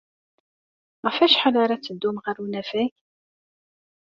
Ɣef wacḥal ara teddum ɣer unafag?